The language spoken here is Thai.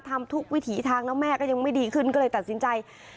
ทำทุกวิถีทางแล้วแม่ก็ยังไม่ดีขึ้นก็เลยตัดสินใจ